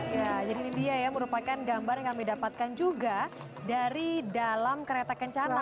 jadi ini dia ya merupakan gambar yang kami dapatkan juga dari dalam kereta kencana